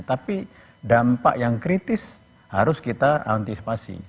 tapi dampak yang kritis harus kita antisipasi